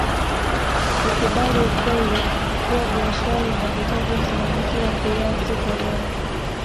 kukubali ukweli kuwa biashara inahitaji usimamizi wa kulea si holela